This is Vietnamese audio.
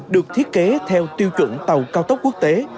được thiết kế theo tiêu chuẩn tàu cao tốc quốc tế